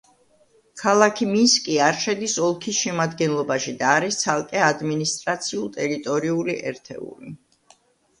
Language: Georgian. ქალაქი მინსკი არ შედის ოლქის შემადგენლობაში და არის ცალკე ადმინისტრაციულ—ტერიტორიული ერთეული.